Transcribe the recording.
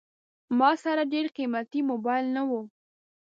ما سره ډېر قیمتي موبایل نه و.